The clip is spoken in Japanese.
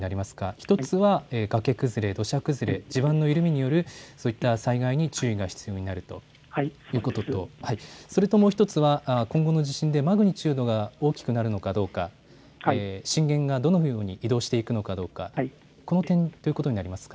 １つは崖崩れ、土砂崩れ、地盤の緩みによる災害に注意が必要になるということと、もう１つは今後の地震でマグニチュードが大きくなるのかどうか震源がどのように移動していくのかどうか、この点ということになりますか。